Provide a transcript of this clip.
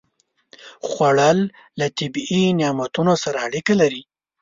خوړل له طبیعي نعمتونو سره اړیکه لري